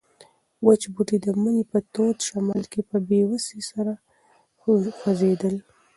وچ بوټي د مني په تود شمال کې په بې وسۍ سره خوځېدل.